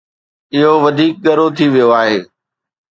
اهو وڌيڪ ڳرو ٿي ويو آهي.